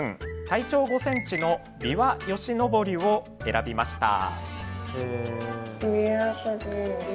体長５ｃｍのビワヨシノボリを選びました。